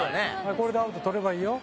これでアウト取ればいいよ。